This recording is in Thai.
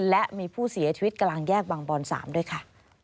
และมีผู้เสียชีวิตกลางแยกบางบอน๓ด้วยค่ะ